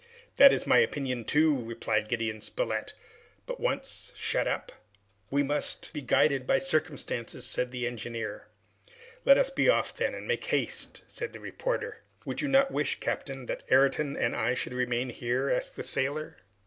"That is, my opinion, too," replied Gideon Spilett, "but once shut up " "We must be guided by circumstances," said the engineer. "Let us be off, then, and make haste!" said the reporter. "Would you not wish, captain, that Ayrton and I should remain here?" asked the sailor.